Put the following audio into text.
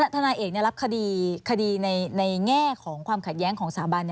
ทนายเอกรับคดีในแง่ของความขัดแย้งของสถาบัน